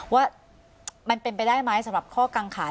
ว่ามันเป็นไปได้ไหมสำหรับข้อกังขา